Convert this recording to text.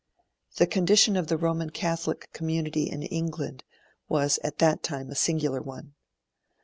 The condition of the Roman Catholic community in England was at that time a singular one.